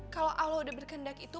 kalo allah udah bergandak itu